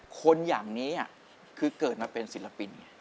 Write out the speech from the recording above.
คนอย่างนี้คือเกิดมาเป็นศิลปิน